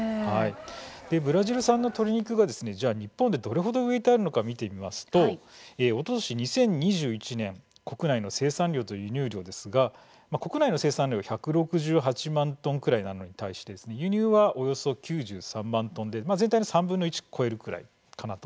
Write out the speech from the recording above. ブラジル産の鶏肉がですねじゃあ日本でどれほどウエイトあるのか見てみますとおととし２０２１年国内の生産量と輸入量ですが国内の生産量が１６８万トンくらいなのに対して輸入はおよそ９３万トンで全体の３分の１超えるくらいかなと。